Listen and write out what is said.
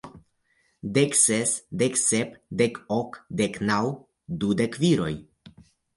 Dek ses, dek sep, dek ok, dek naŭ, dudek viroj!